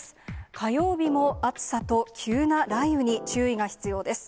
火曜日も、暑さと急な雷雨に注意が必要です。